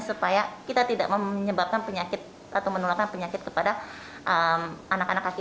supaya kita tidak menyebabkan penyakit atau menularkan penyakit kepada anak anak kecil